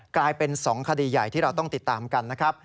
กลายเป็น๒คดีใหญ่ที่เราต้องติดตามกันนะครับ